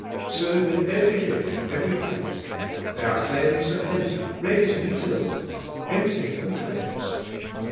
So with every dish, every plate. They are cleansed and empty, ready to be filled. Emptied and cleansed.